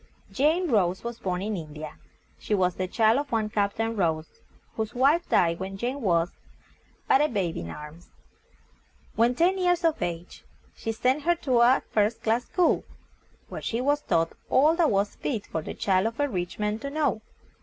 Jane Rose was born in IN DI A. She was the child of one Cap tain Rose, whose wife died when Jane was but a babe in arms. When ten years of age he sent her to a first class school, where she was taught all that was fit for the child of a rich man to know.